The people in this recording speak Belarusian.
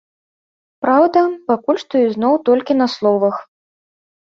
Праўда, пакуль што ізноў толькі на словах.